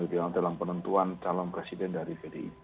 dalam penentuan calon presiden dari pdip